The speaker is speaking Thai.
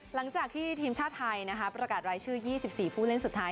หลังจากที่ทีมชาติไทยประกาศรายชื่อ๒๔ผู้เล่นสุดท้าย